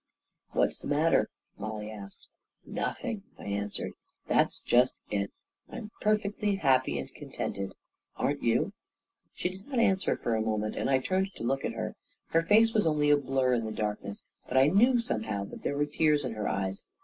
" What's the matter ?" Mollie asked. 11 Nothing," I answered. " That's just it ! I'm perfectly happy and contented. Aren't you? " She did not answer for a moment, and I turned and looked at her. Her face was only a blur in the darkness ; but I knew somehow that there were tears in her eyes.